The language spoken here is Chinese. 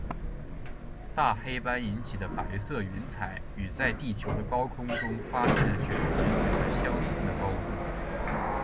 大黑斑引起的白色云彩与在地球的高空中发现的卷云有着相似的高度。